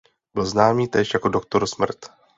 Byl známý též jako „doktor Smrt“.